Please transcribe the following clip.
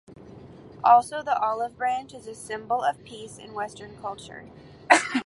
Also, the olive branch is a symbol of peace in Western culture.